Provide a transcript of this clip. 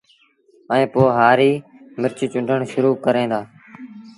ائيٚݩ پو هآريٚ مرچ چُونڊڻ شرو ڪين دآ